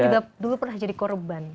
juga dulu pernah jadi korban